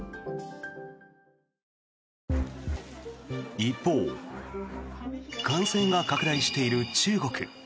一方、感染が拡大している中国。